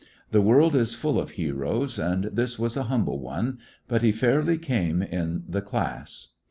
The indeed world is full of heroes, and this was a humble one; but he fairly came in the class.